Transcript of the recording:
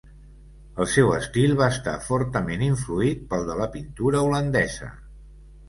El seu estil va estar fortament influït pel de la pintura holandesa.